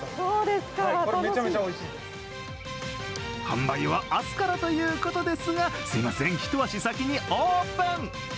販売は明日からということですがすいません、一足先にオープン！